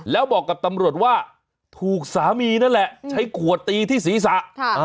แล้วบอกกับตำรวจว่าถูกสามีนั่นแหละใช้ขวดตีที่ศีรษะ